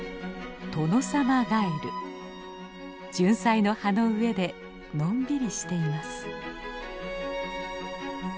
ジュンサイの葉の上でのんびりしています。